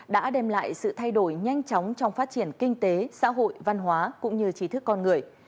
đã đem lại sự thay đổi nhanh chóng trong phát triển kinh tế xã hội văn hóa cũng như trí thức con người